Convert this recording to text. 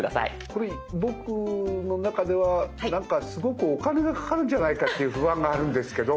これ僕の中ではなんかすごくお金がかかるんじゃないかっていう不安があるんですけど。